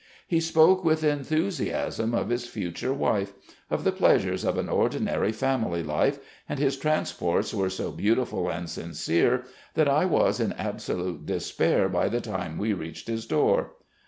"He spoke with enthusiasm of his future wife, of the pleasures of an ordinary family life, and his transports were so beautiful and sincere that I was in absolute despair by the time we reached his door.